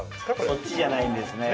そっちじゃないんですね